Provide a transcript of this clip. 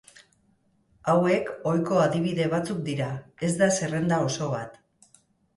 Hauek ohiko adibide batzuk dira, ez da zerrenda oso bat.